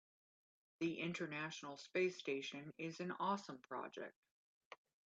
The international space station is an awesome project.